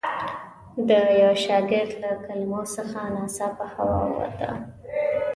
د یوه شاګرد له کلمو څخه ناڅاپه هوا ووته.